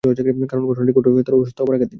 কারণ, ঘটনাটি ঘটে তার অসুস্থ হবার আগের দিন।